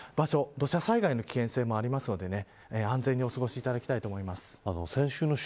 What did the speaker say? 土砂災害の危険性もあるので安全にお過ごしいただきたいと思います。